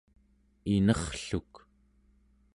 irnerrluk